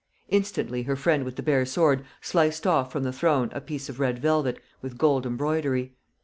Instantly her friend with the bare sword sliced off from the throne a piece of red velvet with gold embroidery.